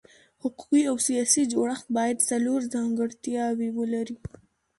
حقوقي او سیاسي جوړښت باید څلور ځانګړتیاوې ولري.